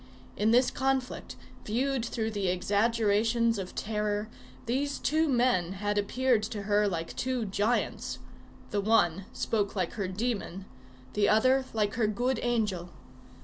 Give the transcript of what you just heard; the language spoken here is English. In this conflict, viewed through the exaggerations of terror, these two men had appeared to her like two giants; the one spoke like her demon, the other like her good angel.